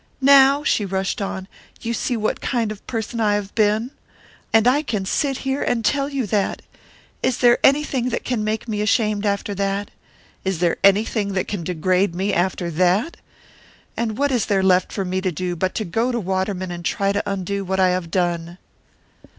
Now," she rushed on "you see what kind of a person I have been! And I can sit here, and tell you that! Is there anything that can make me ashamed after that? Is there anything that can degrade me after that? And what is there left for me to do but go to Waterman and try to undo what I have done?"